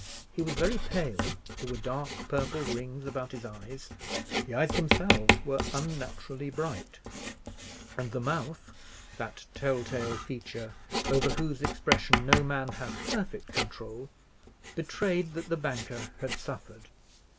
He was very pale; there were dark purple rings about his eyes; the eyes themselves were unnaturally bright: and the mouth—that tell tale feature, over whose expression no man has perfect control—betrayed that the banker had suffered.